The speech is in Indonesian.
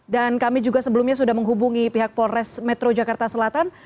dan kami juga sebelumnya sudah menghubungi pihak polres metro jakarta selatan